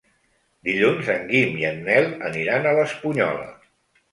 Dilluns en Guim i en Nel aniran a l'Espunyola.